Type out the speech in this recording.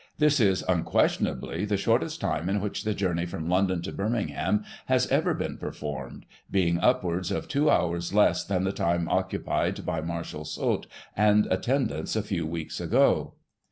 This is, unquestionably, the shortest time in which the journey from London to Birmingham has ever been performed, being upwards of two hours less than the time occupied by Marshal Soult and attendants a few weeks ago."